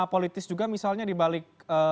politis juga misalnya dibalik